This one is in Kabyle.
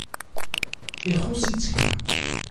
ixuṣ-itt kra